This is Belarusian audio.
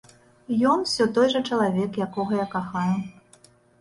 Ён усё той жа чалавек, якога я кахаю.